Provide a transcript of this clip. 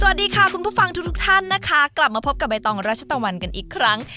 สวัสดีค่ะคุณผู้ฟังทุกท่านนะคะกลับมาพบกับใบตองรัชตะวันกันอีกครั้ง